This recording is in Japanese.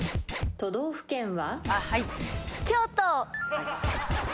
都道府県は？